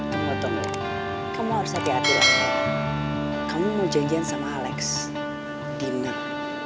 tunggu tunggu kamu harus hati hati dong kamu mau janjian sama alex dinner